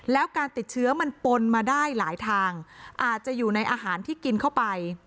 แล้วการติดเชื้อมันปนมาได้หลายทางอาจจะอยู่ในอาหารที่กินเข้าไป